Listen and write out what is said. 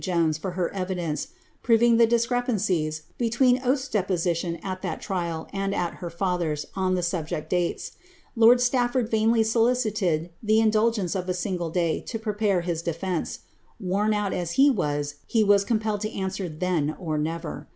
Jones for her evidence, proving the discrepancies between Ontei's depo sitions at that trial and at her father's, on the subject of dntei. Lord Statlbrd vainly solicited the indulgence of a single day to prepare his de* ferce : worn out as he was, he was compelled to answer then or never.